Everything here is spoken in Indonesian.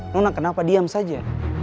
nona kenapa diam saja